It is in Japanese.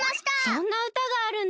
そんな歌があるんだ。